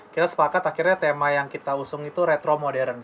kita sepakat akhirnya tema yang kita usung itu retro modern